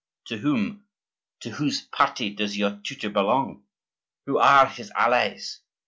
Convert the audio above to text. To whom—to whose party does your tutor belong? Who are his allies?